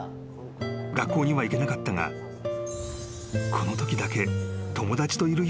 ［学校には行けなかったがこのときだけ］